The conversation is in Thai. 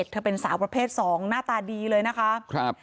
เธอเป็นสาวประเภทสองหน้าตาดีเลยนะคะ